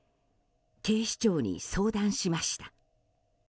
警視庁に相談しました。